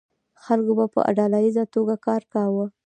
خلکو به په ډله ایزه توګه کار کاوه.